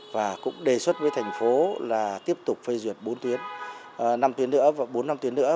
và cũng đề xuất với thành phố là tiếp tục phê duyệt bốn tuyến năm tuyến nữa và bốn năm tuyến nữa